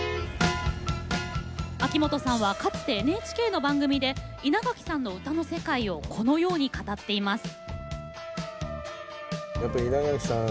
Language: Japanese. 秋元さんはかつてＮＨＫの番組で稲垣さんの歌の世界をこのように語っています。